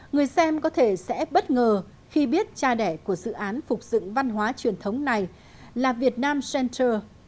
người xem có thể sẽ bất ngờ khi biết cha đẻ của dự án phục dựng văn hóa truyền thống này là việt nam center